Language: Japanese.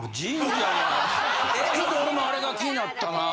ちょっと俺もあれが気になったな。